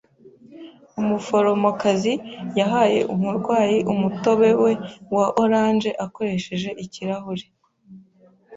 Umuforomokazi yahaye umurwayi umutobe we wa orange akoresheje ikirahure.